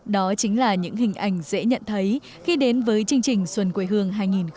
đó chính là những hình ảnh dễ nhận thấy khi đến với chương trình xuân quê hương hai nghìn hai mươi